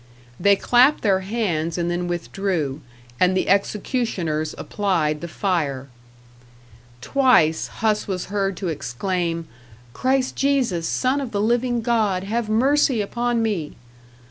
They clapped their hands and then withdrew, and the executioners applied the fire. Twice Huss was heard to exclaim, "Christ Jesus, Son of the living God, have mercy upon me!"